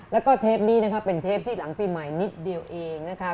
แล้วก็เทปนี้นะครับเป็นเทปที่หลังปีใหม่นิดเดียวเองนะคะ